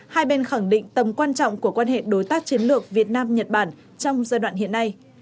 hai bên khẳng định tầm quan trọng của quan hệ đối tác chiến lược việt nam nhật bản trong giai đoạn hiện nay